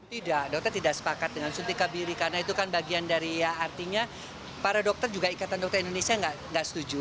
tidak dokter tidak sepakat dengan suntik kebiri karena itu kan bagian dari ya artinya para dokter juga ikatan dokter indonesia tidak setuju